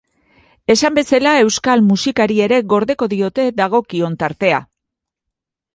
Esan bezala, euskal musikari ere gordeko diote dagokion tartea.